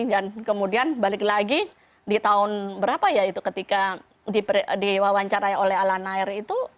dan kemudian balik lagi di tahun berapa ya itu ketika diwawancarai oleh alanaer itu